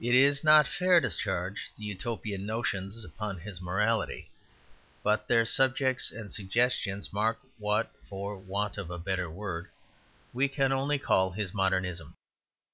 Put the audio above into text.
It is not fair to charge the Utopian notions upon his morality; but their subjects and suggestions mark what (for want of a better word) we can only call his modernism.